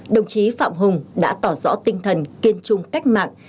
đồng chí phạm hùng đã tỏ rõ tinh thần kiên trung cách mạng